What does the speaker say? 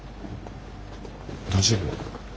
大丈夫？